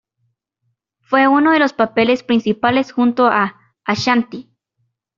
Fue uno de los papeles principales junto a Ashanti.